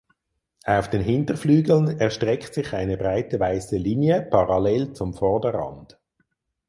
Auf den Hinterflügeln erstreckt sich eine breite weiße Linie parallel zum Vorderrand.